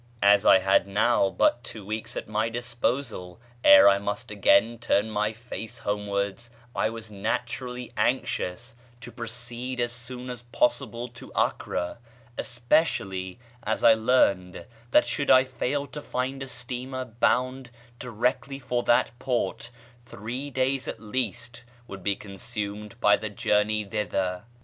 As I had now but two weeks at my disposal ere I must again turn my face homewards I was naturally anxious to proceed as soon as possible to Acre, especially as I learned that should I fail to find a steamer bound directly for that port, three days at least would be consumed by the journey thither.